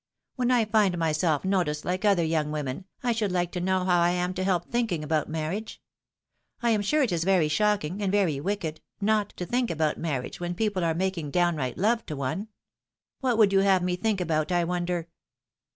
When I find myself noticed hke other young women, I should like to know howl am to help thinking about marriage? I am sure it is very shocking, and very wicked, not to be thinking about marriage when people are making downright love to one. What would you have me think about, I wonder